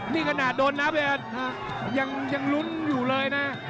นี่ขนาดโดนนับเองยังลุ้นอยู่เลยนะ